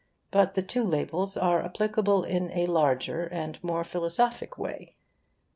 But the two labels are applicable in a larger and more philosophic way.